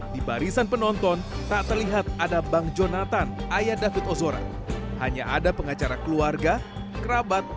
di barisan penonton tak terlihat ada bang jonathan ayah david ozora hanya ada pengacara keluarga kerabat